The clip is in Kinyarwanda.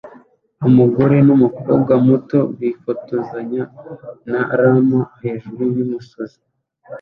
Umugore numukobwa muto bifotozanya na llama hejuru yumusozi